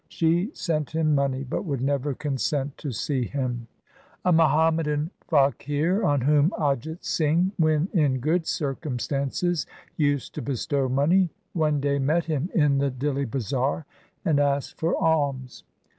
She sent him money, but would never consent to see him. A Muhammadan faqir on whom Ajit Singh when in good circumstances used to bestow money, one day met him in the Dihli bazar, and asked for alms.